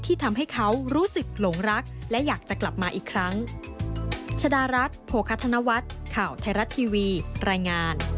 ทำให้เขารู้สึกหลงรักและอยากจะกลับมาอีกครั้ง